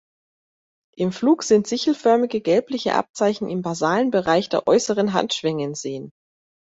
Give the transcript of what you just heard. Im Flug sind sichelförmige gelbliche Abzeichen im basalen Bereich der äußeren Handschwingen sehen.